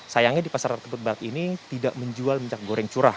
sayangnya di pasar tebet barat ini tidak menjual minyak goreng curah